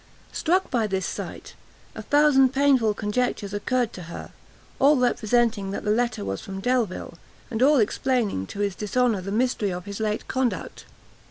Struck by this sight, a thousand painful conjectures occurred to her, all representing that the letter was from Delvile, and all explaining to his dishonour the mystery of his late conduct.